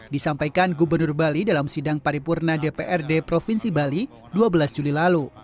disampaikan gubernur bali dalam sidang paripurna dprd provinsi bali dua belas juli lalu